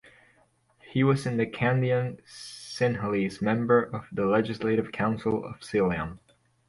He was the Kandyan Sinhalese member of the Legislative Council of Ceylon.